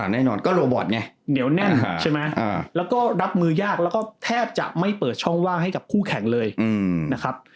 แน่นอนก็โรบอตไงเหนียวแน่นใช่ไหมแล้วก็รับมือยากแล้วก็แทบจะไม่เปิดช่องว่างให้กับคู่แข่งเลยนะครับ